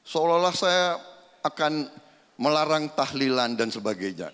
seolah olah saya akan melarang tahlilan dan sebagainya